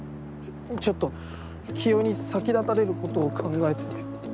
ちょっと清居に先立たれることを考えてて。